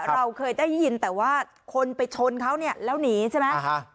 เราเคยได้ยินแต่ว่าคนไปชนเขาเนี่ยแล้วหนีใช่ไหม